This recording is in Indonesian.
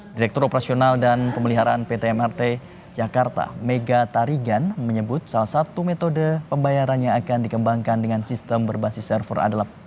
direktur operasional dan pemeliharaan pt mrt jakarta mega tarigan menyebut salah satu metode pembayaran yang akan dikembangkan dengan sistem berbasis server adalah